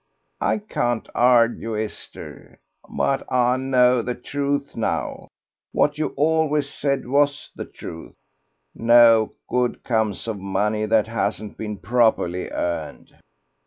I can't argue, Esther.... But I know the truth now, what you always said was the truth. No good comes of money that hasn't been properly earned."